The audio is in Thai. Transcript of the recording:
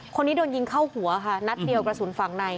คนนี้โดนยิงเข้าหัวค่ะนัดเดียวกระสุนฝั่งใน